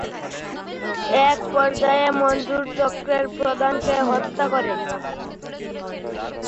এক পর্যায়ে মনজুর চক্রের প্রধানকে হত্যা করে।